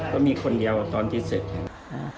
ก็มีคนเดียวตอนที่เสร็จ